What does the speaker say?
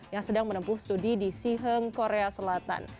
yang sedang menempuh studi di siheng korea selatan